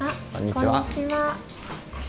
こんにちは。